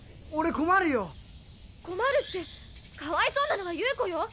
困るってかわいそうなのは夕子よ。